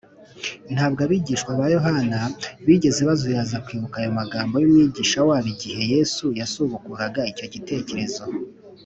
” ntabwo abigishwa ba yohana bigeze bazuyaza kwibuka ayo magambo y’umwigisha wabo igihe yesu yasubukuraga icyo cyitegererezo